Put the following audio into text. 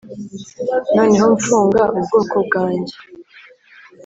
noneho mfunga ubwonko bwanjye